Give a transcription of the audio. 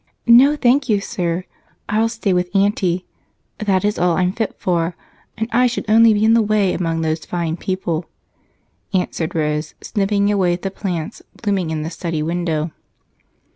"No, thank you, sir I'll stay with Aunty; that is all I'm fit for and I should only be in the way among those fine people," answered Rose, snipping away at the plants blooming in the study window.